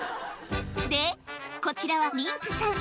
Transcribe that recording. で、こちらは妊婦さん。